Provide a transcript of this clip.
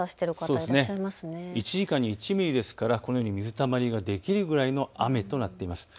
１時間に１ミリですからこのように水たまりができるくらいの雨となっています。